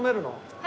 はい。